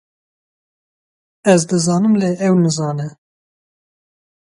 Ez dizanim lê ew nizane